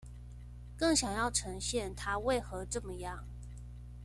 更想要呈現他為何這麼樣